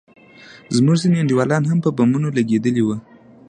زموږ ځينې انډيوالان هم په بمونو لگېدلي وو.